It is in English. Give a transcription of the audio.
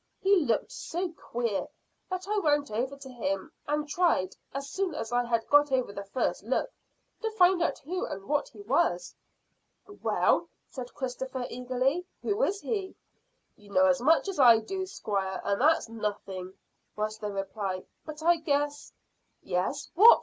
He looked so queer that I went over to him, and tried, as soon as I had got over the first look, to find out who and what he was." "Well," said Christopher eagerly; "who is he?" "You know as much as I do, squire, and that's nothing," was the reply; "but I guess." "Yes: what?"